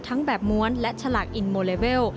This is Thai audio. ทั้งแบบม้วนและชลากอินโมเวล